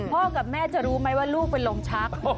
กับแม่จะรู้ไหมว่าลูกเป็นลมชัก